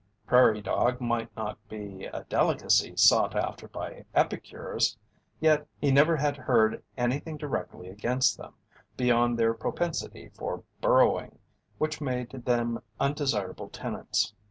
Prairie dog might not be a delicacy sought after by epicures, yet he never had heard anything directly against them, beyond their propensity for burrowing, which made them undesirable tenants.